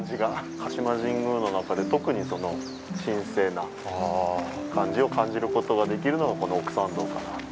鹿島神宮の中で、特に神聖な感じを感じることができるのが、この奥参道かなと。